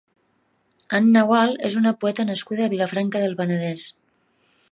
Anna Gual és una poeta nascuda a Vilafranca del Penedès.